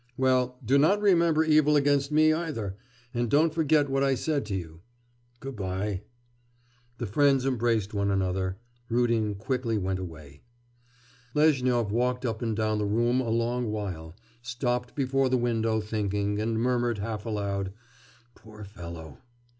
'Well, do not remember evil against me either, and don't forget what I said to you. Good bye.'... The friends embraced one another. Rudin went quickly away. Lezhnyov walked up and down the room a long while, stopped before the window thinking, and murmured half aloud, 'Poor fellow!